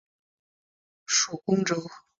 属恭州。